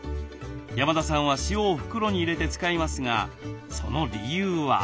山田さんは塩を袋に入れて使いますがその理由は。